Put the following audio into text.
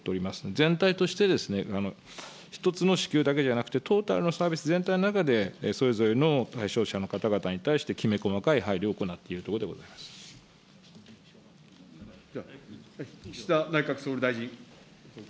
全体として１つの支給だけではなくて、トータルのサービス全体の中で、それぞれの対象者の方々に対してきめ細かい配慮を行っているとこ岸田内閣総理大臣。